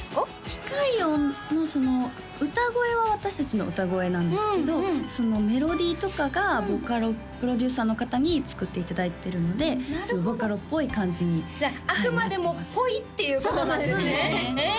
機械音の歌声は私達の歌声なんですけどそのメロディーとかがボカロプロデューサーの方に作っていただいてるのでボカロっぽい感じにあくまでも「っぽい」っていうことなんですねへえ